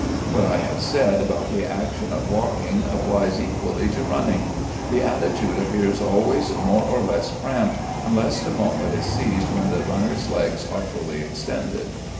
What I have said about the action of walking applies equally to running. The attitude appears always more or less cramped unless the moment is seized when the runner's legs are fully extended.